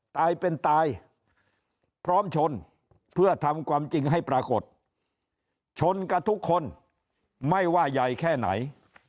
ตายเป็นตายพร้อมชนเพื่อทำความจริงให้ปรากฏชนกับทุกคนไม่ว่าใหญ่แค่ไหน